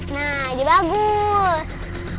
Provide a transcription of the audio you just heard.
nah dia bagus